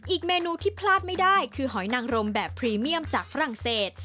อีกเมนูที่พลาดไม่ได้คือหอยนางรมแบบพรีเมียมจากฝรั่งเศส